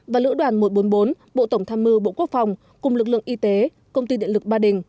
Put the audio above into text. và lữ đoàn một trăm bốn mươi bốn bộ tổng tham mưu bộ quốc phòng cùng lực lượng y tế công ty điện lực ba đình